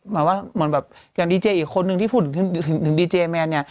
หมายว่าเหมือนแบบการดีเจอร์อีกคนหนึ่งที่ถูกถึงดีเจอร์แมนเนี่ย